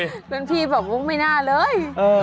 รุ่นพี่บอกไม่น่าเลย